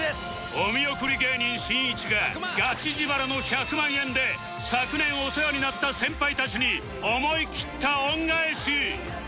お見送り芸人しんいちがガチ自腹の１００万円で昨年お世話になった先輩たちに思い切った恩返し